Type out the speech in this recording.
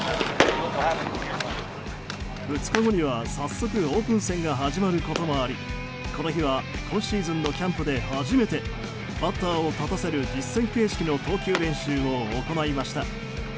２日後には早速オープン戦が始まることもありこの日は今シーズンのキャンプで初めてバッターを立たせる実戦形式の投球練習を行いました。